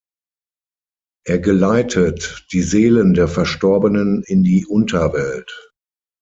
Er geleitet die Seelen der Verstorbenen in die Unterwelt.